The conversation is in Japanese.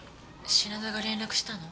品田が連絡したの？